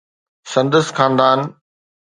سندس خاندان